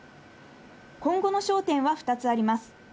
今後の焦点は２つあります。